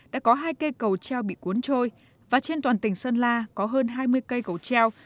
đã có hai cây cầu treo bị cuốn trôi và trên toàn tỉnh sơn la có hơn hai mươi cây cầu treo